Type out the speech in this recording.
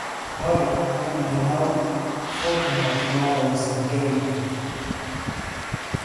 پەڕی قومارم هێناو خەڵکم بە قومارەوە سەرگەرم کرد